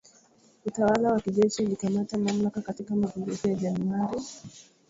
Utawala wa kijeshi ulikamata mamlaka katika mapinduzi ya Januari dhidi ya